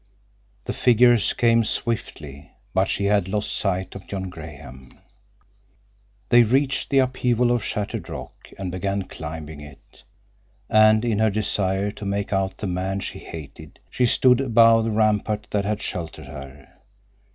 The figures came swiftly, but she had lost sight of John Graham. They reached the upheaval of shattered rock and began climbing it, and in her desire to make out the man she hated she stood above the rampart that had sheltered her.